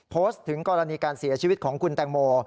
โพสต์ถึงกรณีการเสียชีวิตของคุณแตงโม